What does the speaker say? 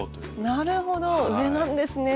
なるほど上なんですね。